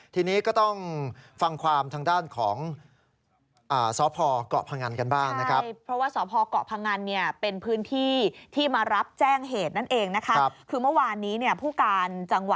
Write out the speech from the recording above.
ทีนี้ก็ต้องฟังความทางด้านของ